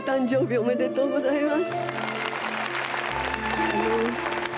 おめでとうございます。